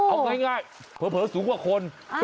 เอาง่ายเผลอสูงกว่าคน